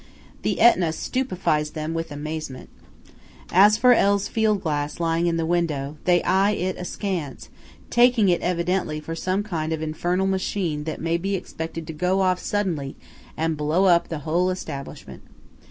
The Etna stupifies them with amazement. As for L.'s field glass lying in the window, they eye it askance, taking it evidently for some kind of infernal machine that may be expected to go off suddenly and blow up the whole establishment.